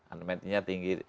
unmet neednya tinggi